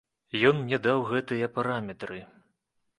Ён мне даў гэтыя параметры.